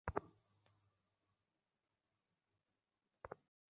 কিন্তু অন্নদাবাবুর পত্রের উত্তর দিতে বিলম্ব করা আর তো উচিত হয় না।